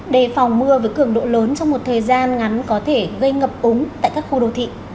đề phòng mưa với cường độ lớn trong một thời gian ngắn có thể gây ngập úng tại các khu đô thị